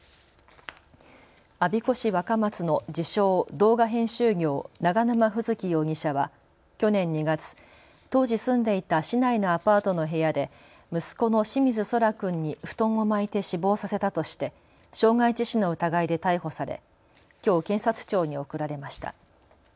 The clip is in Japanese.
我孫子市若松の自称、動画編集業、永沼楓月容疑者は去年２月、当時住んでいた市内のアパートの部屋で息子の清水奏良君に布団を巻いて死亡させたとして傷害致死の疑いで逮捕されきょう検察庁に送られました。